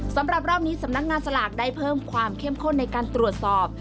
สำหรับรอบนี้สำนักงานสลากได้เพิ่มความเข้มข้นในการตรวจสอบ